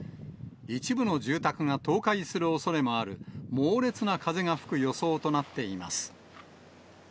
一部の住宅が倒壊するおそれもある、猛烈な風が吹く予想となっています。